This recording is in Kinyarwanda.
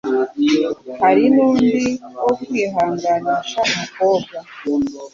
Hari nu undi wo kwihanganisha umukobwa